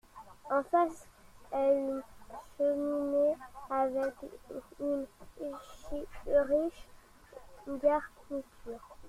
En face, est une cheminée avec une riche garniture.